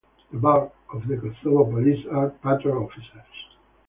The bulk of the Kosovo Police are patrol officers.